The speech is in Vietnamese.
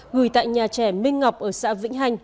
gửi tại nhà trẻ minh ngọc ở xã vĩnh hành